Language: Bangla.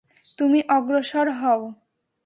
তুমি অগ্রসর হও।